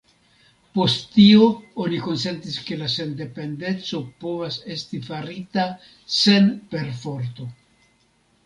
Post tio, oni konsentis, ke la sendependeco povas esti farita sen perforto.